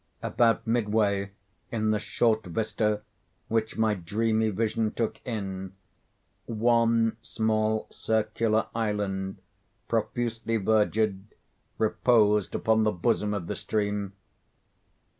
About midway in the short vista which my dreamy vision took in, one small circular island, profusely verdured, reposed upon the bosom of the stream.